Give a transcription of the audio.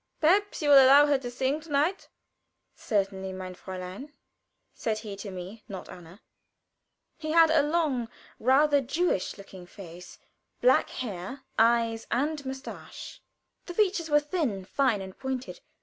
Perhaps you will allow her to sing to night?" "Certainly, mein Fräulein," said he to me, not to Anna. He had a long, rather Jewish looking face, black hair, eyes, and mustache. The features were thin, fine, and pointed.